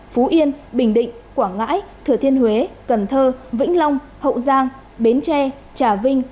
phú yên bình định quảng ngãi thừa thiên huế cần thơ vĩnh long hậu giang bến tre trà vinh